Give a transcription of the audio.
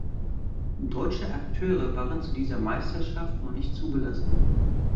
Deutsche Akteure waren zu dieser Meisterschaft noch nicht zugelassen.